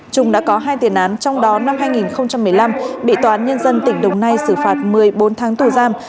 trung đã có hai tiền án trong đó năm hai nghìn một mươi năm bị toán nhân dân tỉnh đồng nai xử phạt một mươi bốn tháng tù giam